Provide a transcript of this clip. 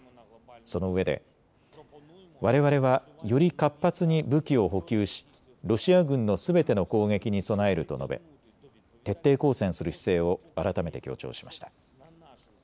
そのうえでわれわれは、より活発に武器を補給しロシア軍のすべての攻撃に備えると述べ、徹底抗戦する姿勢を改めて強調しました。